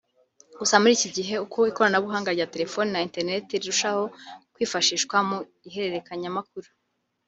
Gusa muri iki gihe uko ikoranabuhanga rya telefoni na internet rirushaho kwifashishwa mu ihererekanyamakuru